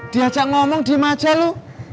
diajak ngomong di majelu